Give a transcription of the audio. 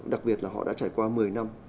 đặc biệt là họ đã trải qua một mươi năm